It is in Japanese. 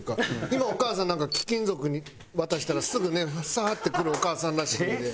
今お母さんなんか貴金属渡したらすぐねサーッて来るお母さんらしいので。